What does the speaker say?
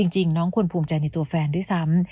จริงน้องควรภูมิใจในตัวแฟนด้วยซ้ำ